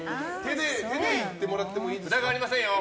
手でいってもらっていいですか。